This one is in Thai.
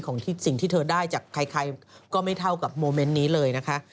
สิ่งที่เธอได้จากใครก็ไม่เท่ากับโมเมนต์นี้เลยนะคะ